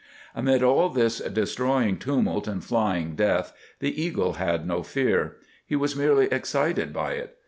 Amid all this destroying tumult and flying death the eagle had no fear. He was merely excited by it.